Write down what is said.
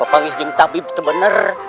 pangis jeng tapi bete bener